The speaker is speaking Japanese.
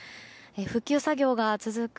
復旧作業が続く